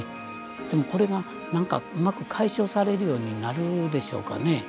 でもこれがなんかうまく解消されるようになるでしょうかね？